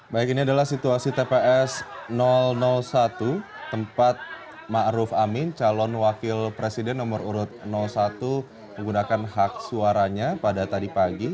baik ini adalah situasi tps satu tempat ⁇ maruf ⁇ amin calon wakil presiden nomor urut satu menggunakan hak suaranya pada tadi pagi